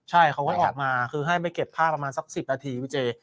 ใช่เขาก็ออกมาคือให้ไปเก็บผ้าประมาณสัก๑๐นาทีพี่เจ